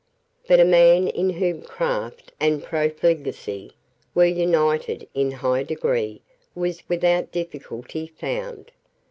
But a man in whom craft and profligacy were united in a high degree was without difficulty found.